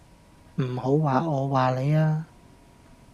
唔好話我話你吖